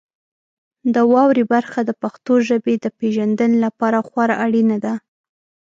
د واورئ برخه د پښتو ژبې د پیژندنې لپاره خورا اړینه ده.